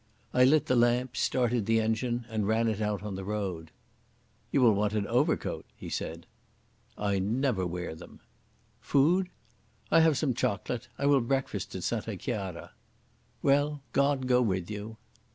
I lit the lamps, started the engine, and ran it out on to the road. "You will want an overcoat," he said. "I never wear them." "Food?" "I have some chocolate. I will breakfast at Santa Chiara." "Well, God go with you!"